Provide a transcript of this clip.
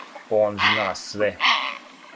Он зна све!